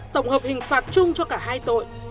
tổng hợp hình phạt chung cho cả hai tội